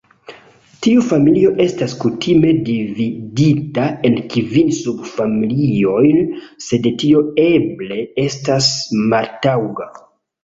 Tiu familio estas kutime dividita en kvin subfamilioj, sed tio eble estas maltaŭga.